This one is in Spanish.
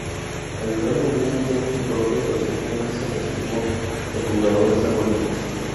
El Reino Unido tiene su propia asociación que se desligó de Jugadores Anónimos.